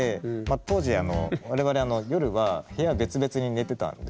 当時あの我々夜は部屋別々に寝てたんですね。